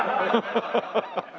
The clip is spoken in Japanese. ハハハハッ。